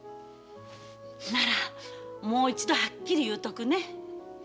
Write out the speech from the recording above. ならもう一度はっきり言うとくね。